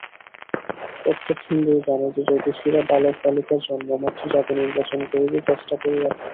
প্রত্যেক হিন্দুই জানে যে, জ্যোতিষীরা বালকবালিকার জন্মমাত্র জাতি নির্বাচন করিতে চেষ্টা করিয়া থাকেন।